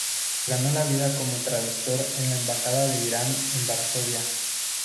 Se ganó la vida como traductor en la Embajada de Iran en Varsovia.